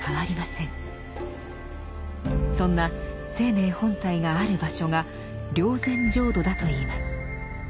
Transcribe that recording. そんな「生命本体」がある場所が「霊山浄土」だといいます。